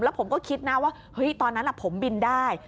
แล้วผมก็คิดนะว่าเฮ้ยตอนนั้นผมบินได้